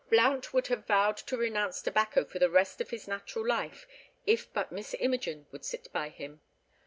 Blount would have vowed to renounce tobacco for the rest of his natural life if but Miss Imogen would sit by him.